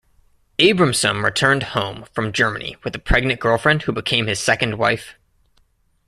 Abramson returned home from Germany with a pregnant girlfriend who became his second wife.